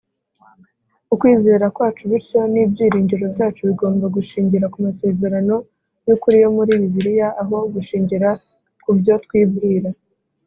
Ukwizera kwacu bityo n'ibyiringiro byacu bigomba gushingira ku masezerano y'ukuri yo muri Bibiliya aho gushingira ku byo twibwira.